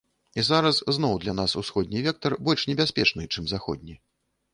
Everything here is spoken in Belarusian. І зараз зноў для нас усходні вектар больш небяспечны, чым заходні.